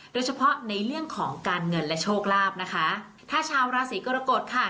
โดยเฉพาะในเรื่องของการเงินและโชคลาภนะคะถ้าชาวราศีกรกฎค่ะ